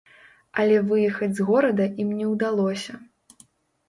Але выехаць з горада ім не ўдалося.